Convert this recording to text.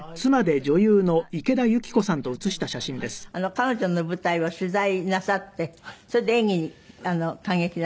彼女の舞台を取材なさってそれで演技に感激なすったんですって？